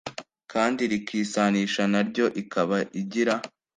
kandi rikisanisha naryo ikaba igira